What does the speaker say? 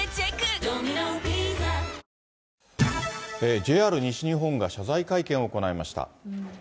ＪＲ西日本が謝罪会見を行いました。